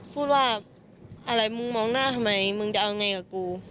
พูดว่าอะไรมึงมองหน้าทำไมมึงจะเอาไงกับกู